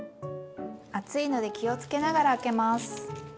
熱いので気をつけながら開けます。